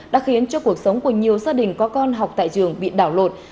đã khiến cho cuộc sống của nhiều gia đình có con học tại trường bị đảo lột